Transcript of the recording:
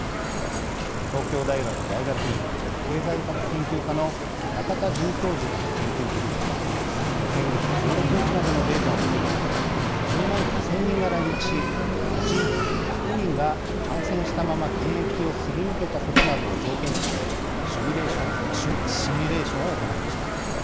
東京大学大学院経済学研究科の仲田准教授らの研究グループは先月１６日までのデータをもとに１０万５，０００人が来日しうち１００人が感染したまま検疫をすり抜けたことなどを条件にしてシミュレーションを行いました。